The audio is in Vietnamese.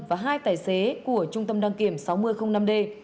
và hai tài xế của trung tâm đăng kiểm sáu nghìn năm d